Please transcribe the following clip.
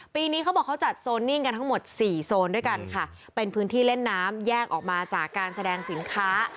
นี้เขาบอกเขาจัดโซนนิ่งกันทั้งหมดสี่โซนด้วยกันค่ะเป็นพื้นที่เล่นน้ำแยกออกมาจากการแสดงสินค้า